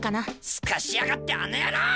すかしやがってあの野郎！